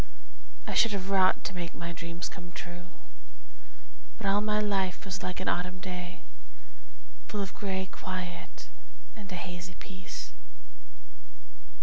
I should have wrought to make my dreams come true, But all my life was like an autumn day, Full of gray quiet and a hazy peace.